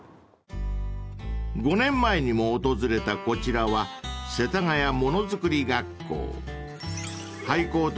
［５年前にも訪れたこちらは世田谷ものづくり学校］